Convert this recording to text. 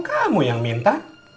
kamu yang minta